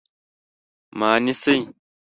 _ما نيسئ؟